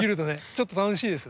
ちょっと楽しいです。